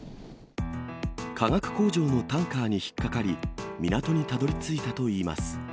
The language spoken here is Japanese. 化学工場のタンカーに引っ掛かり、港にたどりついたといいます。